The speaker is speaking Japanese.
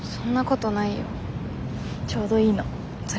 ちょうどいいの。それぐらいが。